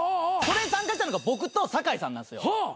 それに参加したのが僕と酒井さんなんですよ。